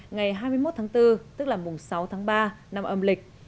ngày hai mươi một tháng bốn tức là mùng sáu tháng ba năm âm lịch